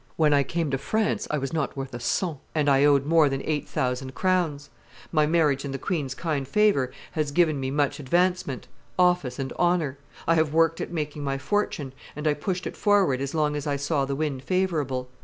When I came to France, I was not worth a son, and I owed more than eight thousand crowns. My marriage and the queen's kind favor has given me much advancement, office, and honor; I have worked at making my fortune, and I pushed it forward as long as I saw the wind favorable.